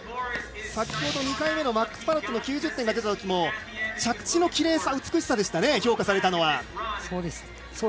先ほど２回目のマックス・パロットの９０点が出たときも着地のきれいさ美しさでしたね、評価されたのは。